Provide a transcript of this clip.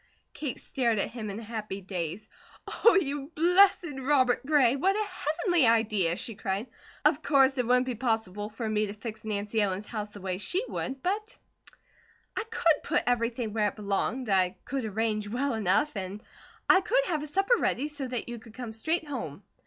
Kate stared at him in a happy daze. "Oh, you blessed Robert Gray! What a Heavenly idea!" she cried. "Of course it wouldn't be possible for me to fix Nancy Ellen's house the way she would, but I could put everything where it belonged, I could arrange well enough, and I could have a supper ready, so that you could come straight home."